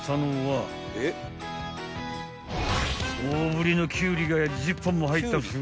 ［大ぶりのキュウリが１０本も入った袋］